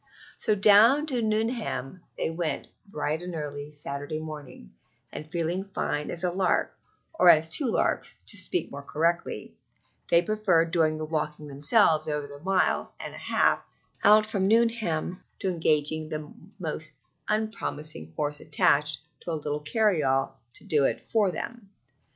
So down to Nuneham they went bright and early Saturday morning, and, feeling fine as a lark, or as two larks, to speak more correctly, they preferred doing the walking themselves over the mile and a half out from Nuneham to engaging a most unpromising horse attached to a little carry all to do it for them.